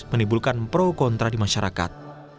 menimbulkan pro kontra di masyarakat